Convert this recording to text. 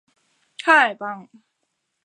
因境内岳阳县最高峰相思山而得名。